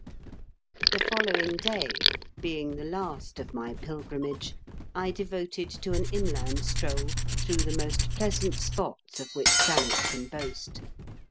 The following day, being the last of my pilgrimage, I devoted to an inland stroll through the most pleasant spots of which Thanet can boast.